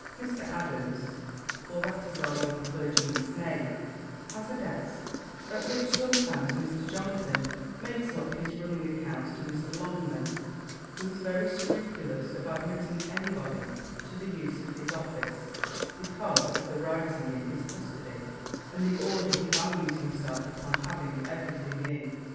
Mr. Adams (for that is our young clergyman's name) has a desk at which sometimes Mr. Jonathan makes up his running accounts to Mr. Longman, who is very scrupulous of admitting any body to the use of his office, because of the writing in his custody, and the order he values himself upon having every thing in.